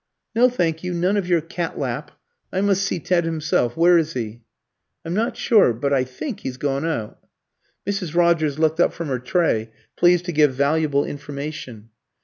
"No, thank you, none of your cat lap. I must see Ted himself. Where is he?" "I'm not sure, but I think he's gone out." Mrs. Rogers looked up from her tray, pleased to give valuable information.